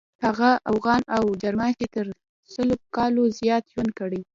هغه اوغان او جرما چې تر سلو کالو زیات ژوند کړی.